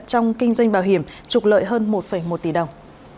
trong kinh doanh bảo hiểm trục lợi hơn một một tỷ đồng